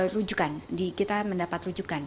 rujukan kita mendapat rujukan